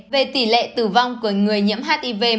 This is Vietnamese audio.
về tỷ lệ tử vong của người nhiễm hiv